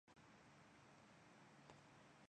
光叶白头树为橄榄科嘉榄属的植物。